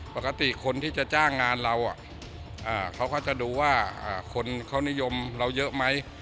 ปกติคนที่จะจ้างงานเราเขาก็จะดูว่าคนเขานิยมเราเยอะไหม